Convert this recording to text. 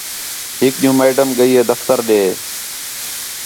ہِک ݙِین٘ہوں میڈم ڳئی ہے دفتر ݙے